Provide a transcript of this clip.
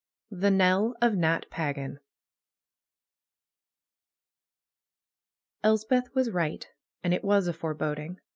THE KNELL OF NAT PAGAN Elspeth was right, and it was a foreboding.